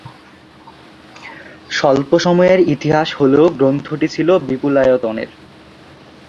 স্বল্প সময়ের ইতিহাস হলেও গ্রন্থটি ছিল বিপুলায়তনের।